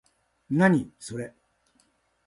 何、それ？